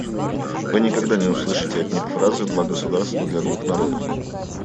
Вы никогда не услышите от них фразы «два государства для двух народов».